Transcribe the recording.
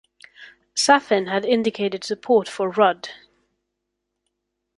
Saffin had indicated support for Rudd.